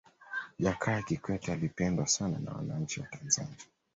jakaya kikwete alipendwa sana na wananchi wa tanzania